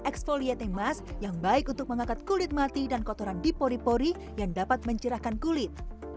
exfoliating mask yang baik untuk mengangkat kulit mati dan kotoran di pori pori yang dapat mencerahkan kulit